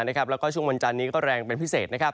แล้วก็ช่วงวันจันนี้ก็แรงเป็นพิเศษ